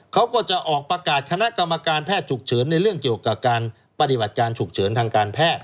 เขาก็จะออกประกาศคณะกรรมการแพทย์ฉุกเฉินในเรื่องเกี่ยวกับการปฏิบัติการฉุกเฉินทางการแพทย